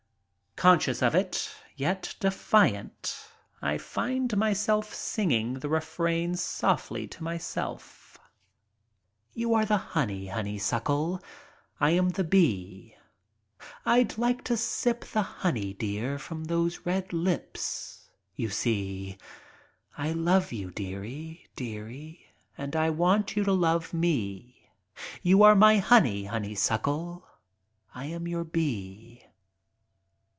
Conscious of it, yet defiant, I find myself singing the re frain softly to myself: "You are the honey, honeysuckle. I am the bee; I'd like to sip the honey, dear, from those red lips. You see » I love you dearie, dearie, and I want you to love me — You are my honey, honeysuckle. I am your bee."